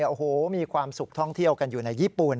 โอ้โหมีความสุขท่องเที่ยวกันอยู่ในญี่ปุ่น